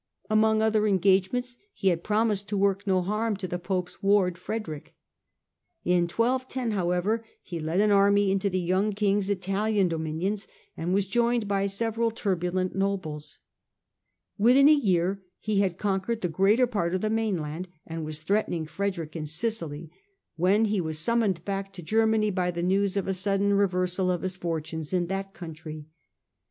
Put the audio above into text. Among other engagements he had pro mised to work no harm to the Pope's ward, Frederick. In 1 2 10, however, he led an army into the young King's Italian dominions, and was joined by several turbulent nobles. Within a year he had conquered the greater part of the mainland and was threatening Frederick in Sicily, when he was summoned back to Germany by the news of a sudden reversal of his fortunes in that country.